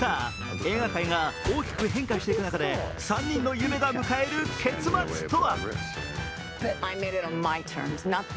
映画界が大きく変化していく中で３人の夢が迎える結末とは？